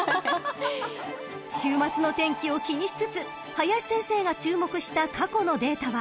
［週末の天気を気にしつつ林先生が注目した過去のデータは］